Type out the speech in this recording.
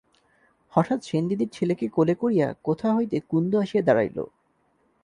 হঠাৎ সেনদিদির ছেলেকে কোলে করিয়া কোথা হইতে কুন্দ আসিয়া দাড়াইল।